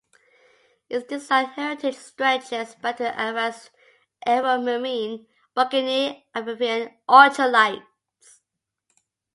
Its design heritage stretches back to the Advanced Aeromarine Buccaneer amphibian ultralights.